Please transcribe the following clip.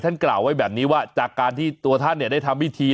กล่าวไว้แบบนี้ว่าจากการที่ตัวท่านเนี่ยได้ทำพิธี